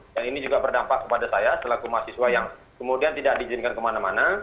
dan ini juga berdampak kepada saya selaku mahasiswa yang kemudian tidak diizinkan kemana mana